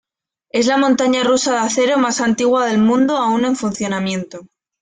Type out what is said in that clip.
Es la montaña rusa de acero más antigua del mundo aún en funcionamiento.